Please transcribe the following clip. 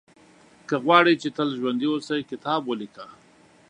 • که غواړې چې تل ژوندی اوسې، کتاب ولیکه.